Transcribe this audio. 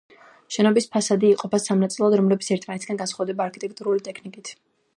შენობის ფასადი იყოფა სამ ნაწილად, რომლებიც ერთმანეთისაგან განსხვავდება არქიტექტურული ტექნიკით.